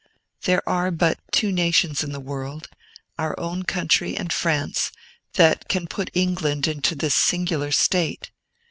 There are but two nations in the world our own country and France that can put England into this singular state.